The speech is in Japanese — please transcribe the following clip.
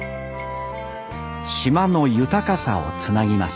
島の豊かさをつなぎます